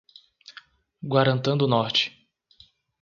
Guarantã do Norte